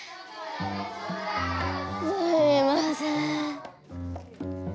すいません。